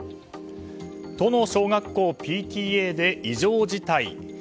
都の小学校ＰＴＡで異常事態。